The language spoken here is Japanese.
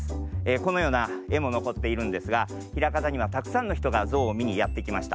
このようなえものこっているんですがひらかたにはたくさんのひとがゾウをみにやってきました。